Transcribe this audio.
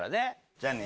じゃあね！